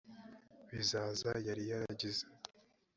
b i zaza yari yaragize